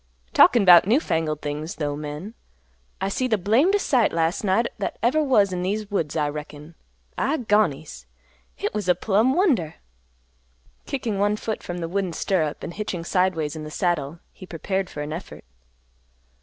"Talkin' 'bout new fangled things, though, men! I seed the blamdest sight las' night that ever was in these woods, I reckon. I gonies! Hit was a plumb wonder!" Kicking one foot from the wooden stirrup and hitching sideways in the saddle, he prepared for an effort.